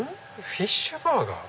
フィッシュバーガー？